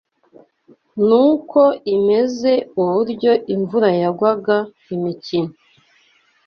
n’uko imeze uburyo imvura yagwaga imikino